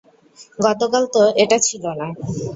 গতকাল তো এটা ছিল না।